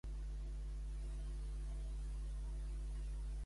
Es diu que la ciutat va rebre el nom de Superior, Wisconsin.